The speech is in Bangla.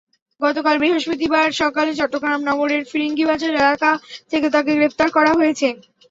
গতকাল বৃহস্পতিবার সকালে চট্টগ্রাম নগরের ফিরিঙ্গিবাজার এলাকা থেকে তাঁকে গ্রেপ্তার করা হয়েছে।